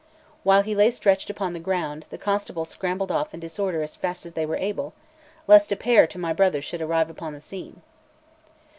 While he lay stretched upon the ground, the constables scrambled off in disorder as fast as they were able, lest a pair to my brother should arrive upon the scene.